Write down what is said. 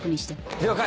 了解。